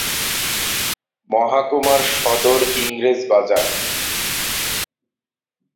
মহকুমার সদর ইংরেজ বাজার।